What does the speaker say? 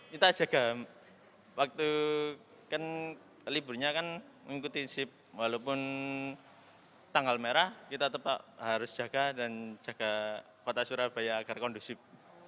kita jaga waktu kan liburnya kan mengikuti sip walaupun tanggal merah kita tetap harus jaga dan jaga kota surabaya agar kondusif